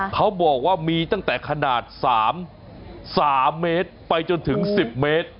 เขาบอกว่ามีตั้งแต่ขนาด๓เมตรไปจนถึง๑๐เมตร